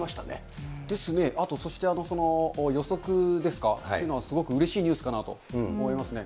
あとそして、予測ですか、今、すごくうれしいニュースかなと思いますね。